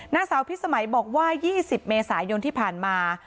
นางสาวพิสมัยบอกว่า๒๐เมษายนที่ผ่านมา